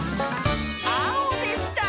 あおでした！